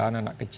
dan anak kecil